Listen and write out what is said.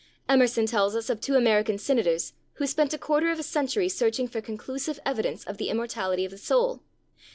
Emerson tells us of two American senators who spent a quarter of a century searching for conclusive evidence of the immortality of the soul.